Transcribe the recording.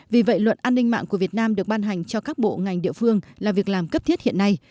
vì vậy luật an ninh mạng của việt nam được ban hành cho các bộ ngành địa phương là việc làm cấp thiết hiện nay